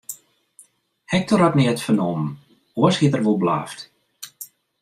Hektor hat neat fernommen, oars hie er wol blaft.